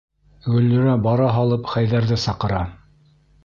Гөллирә бара һалып Хәйҙәрҙе саҡыра.